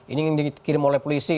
ini ingin dikirim oleh polisi